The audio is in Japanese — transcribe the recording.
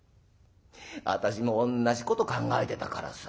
「私も同じこと考えてたからさ」。